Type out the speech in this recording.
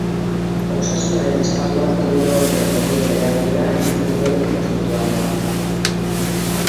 Osasunaren esparruan teknologia berrien erabilera biltzen duen kontzeptua da.